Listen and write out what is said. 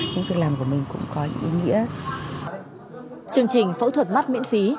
chương trình phẫu thuật mắt miễn phí